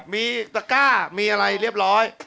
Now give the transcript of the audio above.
มีตะก้ามีอะไรเรียบร้อย